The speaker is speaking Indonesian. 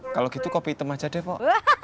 kalau gitu kopi hitam aja deh kok